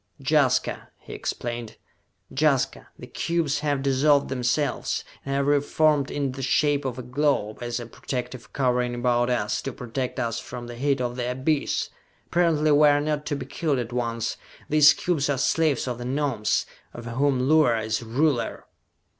"Jaska!" he explained. "Jaska! The cubes have dissolved themselves, and have reformed in the shape of a globe, as a protective covering about us, to protect us from the heat of the abyss! Apparently we are not to be killed at once! These cubes are slaves of the Gnomes, of whom Luar is ruler!"